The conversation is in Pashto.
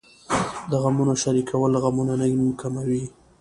د غمونو شریکول غمونه نیم کموي .